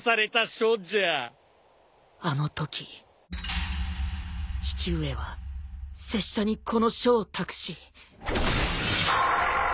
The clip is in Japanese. あのとき父上は拙者にこの書を託しその後。